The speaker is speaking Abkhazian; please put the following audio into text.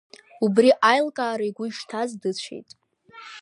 Убри аилкаара игәы ишҭаз, дыцәеит.